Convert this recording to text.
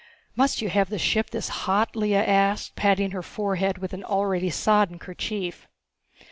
"Must you have the ship this hot?" Lea asked, patting her forehead with an already sodden kerchief.